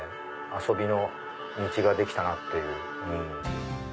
遊びの道ができたなっていう。